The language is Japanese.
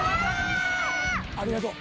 ありがとう。